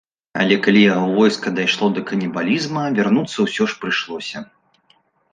Але калі яго войска дайшло да канібалізму, вярнуцца ўсё ж прыйшлося.